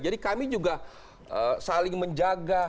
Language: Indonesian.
jadi kami juga saling menjaga